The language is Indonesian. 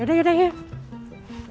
yaudah yaudah yaudah